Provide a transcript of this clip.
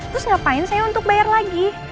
terus ngapain saya untuk bayar lagi